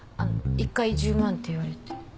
１回１０万って言われて。